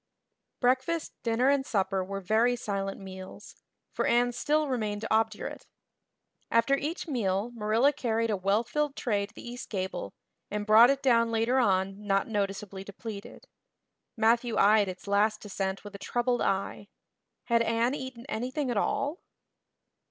Breakfast, dinner, and supper were very silent meals for Anne still remained obdurate. After each meal Marilla carried a well filled tray to the east gable and brought it down later on not noticeably depleted. Matthew eyed its last descent with a troubled eye. Had Anne eaten anything at all?